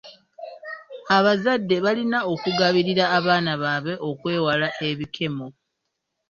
Abazadde balina okugabirira abaana baabwe okwewala ebikemo.